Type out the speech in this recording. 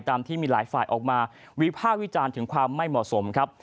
ตามที่มีหลายฝ่ายออกมาวิภาควิจารณ์ถึงความไม่เหมาะสมครับ